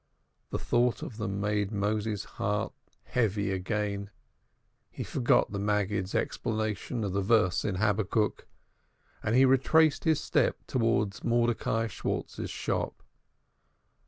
The thought of them made Moses's heart heavy again; he forgot the Maggid's explanation of the verse in Habakkuk, and he retraced his steps towards Mordecai Schwartz's shop.